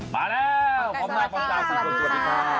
มาแล้วพร้อมนายพร้อมกล้าสีสวัสดีค่ะ